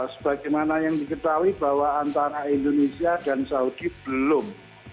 sebagaimana yang diketahui bahwa antara indonesia dan saudi belum